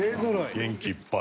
元気いっぱい。